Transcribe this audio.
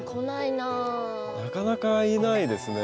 なかなかいないですね。